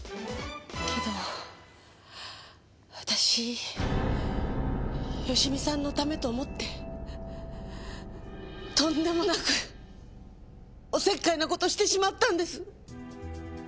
けど私芳美さんのためと思ってとんでもなくお節介な事をしてしまったんです。